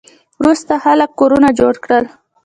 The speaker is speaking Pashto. وروسته خلکو کورونه جوړ کړل